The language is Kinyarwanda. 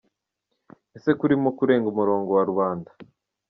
Ese ko urimo kurenga umurongo wa Rubanda?